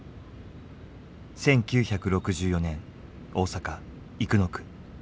１９６４年大阪・生野区。